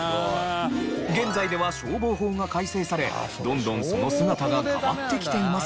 現在では消防法が改正されどんどんその姿が変わってきていますが。